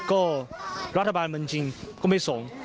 ก็รัฐบาลมันจริงก็ไม่ส่ง